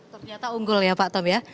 ternyata unggul ya pak tom ya